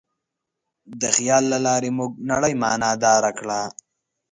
د خیال له لارې موږ نړۍ معنیداره کړه.